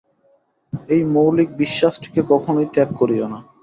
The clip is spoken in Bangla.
এই মৌলিক বিশ্বাসটিকে কখনই ত্যাগ করিও না।